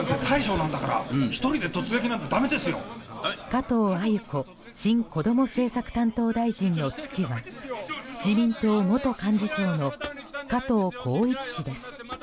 加藤鮎子新こども政策担当大臣の父は自民党元幹事長の加藤紘一氏です。